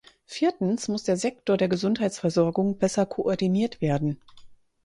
Viertens muss der Sektor der Gesundheitsversorgung besser koordiniert werden.